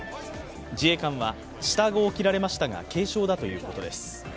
自衛官は、下顎を切られましたが軽傷だということです。